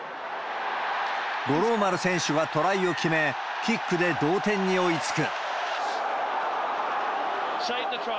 五郎丸選手がトライを決め、キックで同点に追いつく。